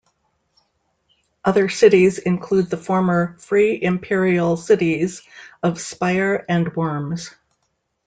Other cities include the former Free imperial cities of Speyer and Worms.